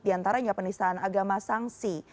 di antaranya penistaan agama sanksi